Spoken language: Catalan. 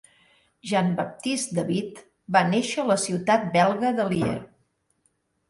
Jean-Baptist David va néixer a la ciutat belga de Lier.